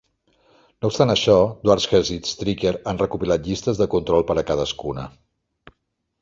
No obstant això, Dwarshuis i Strycker han recopilat llistes de control per a cadascuna.